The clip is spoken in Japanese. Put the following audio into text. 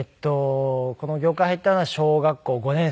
この業界入ったのは小学校５年生ですね。